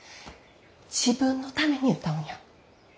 自分のために歌うんや。